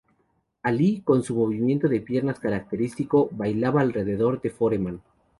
Ali, con su movimiento de piernas característico bailaba alrededor de Foreman.